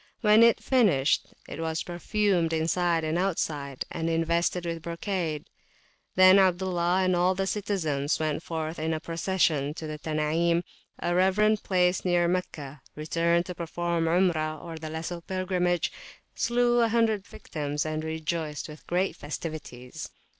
When finished, it was perfumed inside and outside, and invested with brocade. Then Abdullah and all the citizens went forth in a procession to the Tanim, a reverend place near Meccah, returned to perform Umrah, the Lesser Pilgrimage, slew 100 victims, and rejoiced with great festivities.